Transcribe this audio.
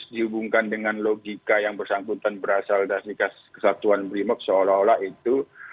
dihubungkan dengan logika yang bersangkutan berasal dari kesatuan brimob seolah olah itu